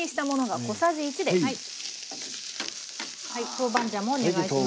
豆板醤もお願いします。